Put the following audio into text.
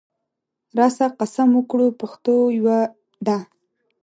راسه قسم وکړو پښتو یوه ده